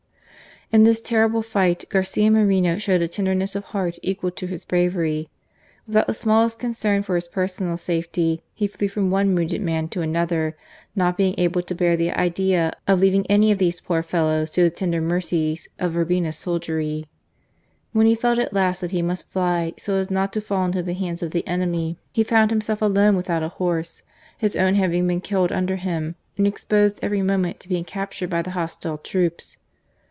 In this terrible fight Garcia Moreno showed a tenderness of heart equal to his bravery. Without the smallest concern for his personal safety, he flew from one wounded man to another, not being able to bear the idea of leaving any of these poor fellows to the tender mercies of Urbina's soldiery. When he felt at last that he must fly so as not to fall into the hands of the enemy, he found himself alone without a horse, his own having been killed under him and exposed every moment to being captured by the hostile troops.